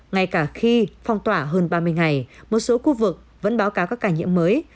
ngay cả khi phong tỏa hơn ba mươi ngày một số khu vực vẫn báo cáo các ca nhiễm mới